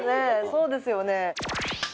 そうですよね